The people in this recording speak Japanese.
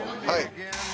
はい。